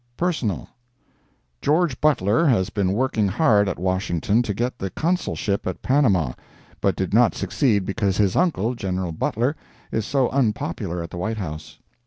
PERSONAL George Butler has been working hard at Washington to get the Consulship at Panama, but did not succeed because his uncle, Gen. Butler, is so unpopular at the White House.